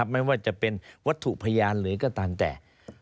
ไม่ว่าจะเป็นวัตถุพยานหรือก็ตามแต่